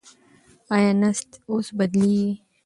ایا نسج اوس بدلېږي؟